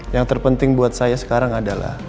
yang terpenting buat saya sekarang adalah